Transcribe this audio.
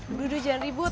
dulu dulu jangan ribut